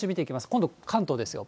今度、関東ですよ。